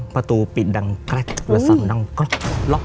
ประตูปิดดังแล้วสั่นดังก็ล็อก